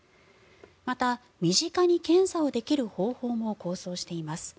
また、身近に検査をできる方法も構想しています。